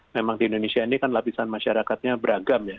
memang di indonesia ini kan lapisan masyarakatnya beragam ya